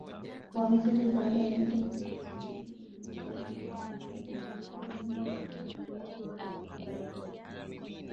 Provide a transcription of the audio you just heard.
uvamizi huu ni baada ya giza kuingia siku ya Jumapili na kuharibu nyumba pamoja na kuwaua wakazi ambao walipita kwenye njia yao